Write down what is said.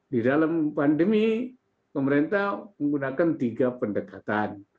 di dalam pandemi pemerintah menggunakan tiga pendekatan